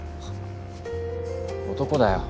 男だよ。